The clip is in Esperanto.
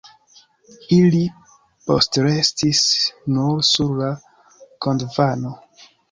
Ili postrestis nur sur la Gondvano.